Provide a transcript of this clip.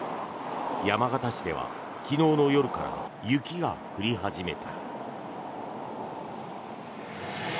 山形市では昨日の夜から雪が降り始めた。